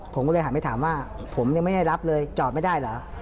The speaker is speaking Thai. ผมก็เลยหันไปถามว่าผมยังไม่ให้รับเลยจอดไม่ได้เหรอ